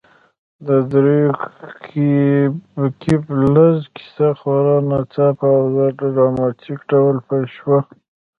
د دریو ګيبلز کیسه خورا ناڅاپه او ډراماتیک ډول پیل شوه